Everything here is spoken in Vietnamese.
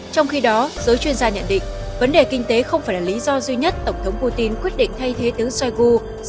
trong khi đó giới chuyên gia nhận định vấn đề kinh tế không phải là lý do duy nhất tổng thống putin quyết định thay thế tướng shoigu